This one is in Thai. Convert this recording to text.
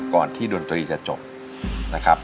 ก่อนที่ดนตรีจะจบ